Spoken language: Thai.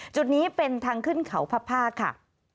จุดนี้เป็นทางขึ้นเขาพระภาคค่ะ